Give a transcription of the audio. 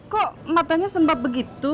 kok matanya sembab begitu